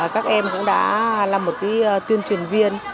các em cũng đã là một tuyên truyền viên